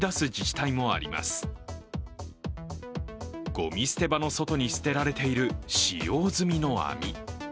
ごみ捨て場の外に捨てられている使用済みの網。